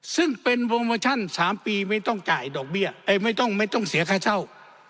ซึ่งเป็นโปรโมชั่น๓ปีไม่ต้องเสียค่าเช่า